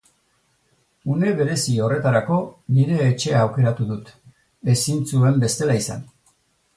Une berezi horretarako, nire etxea aukeratu dut, ezin zuen bestela izan.